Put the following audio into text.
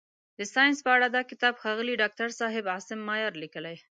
د ساینس په اړه دا کتاب ښاغلي داکتر صاحب عاصم مایار لیکلی.